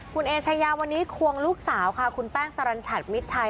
คุณเอชายาวันนี้ควงลูกสาวค่ะคุณแป้งสรรชัดมิดชัย